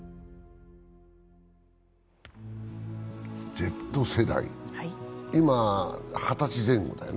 Ｚ世代、今、二十歳前後だよね？